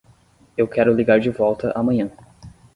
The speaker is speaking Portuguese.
Eu quero ligar de volta amanhã.